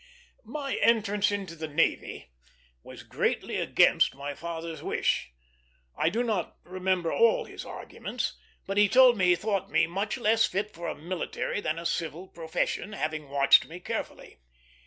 My entrance into the navy was greatly against my father's wish. I do not remember all his arguments, but he told me he thought me much less fit for a military than for a civil profession, having watched me carefully.